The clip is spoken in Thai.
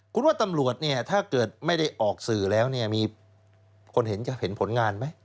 คุณว่าตำรวจเนี่ยถ้าเกิดไม่ได้ออกสื่อแล้วเนี่ยมีคนเห็นผลงานไหม